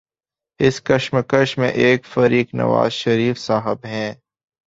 اس کشمکش میں ایک فریق نوازشریف صاحب ہیں